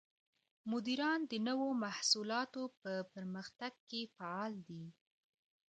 مدیران د نوو محصولاتو په پرمختګ کې فعال دي.